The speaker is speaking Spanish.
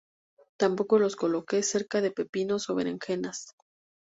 Tampoco los coloque cerca de pepinos o berenjenas.